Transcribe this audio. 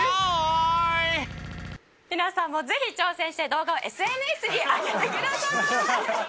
皆さんもぜひ挑戦して動画をＳＮＳに上げてください！＃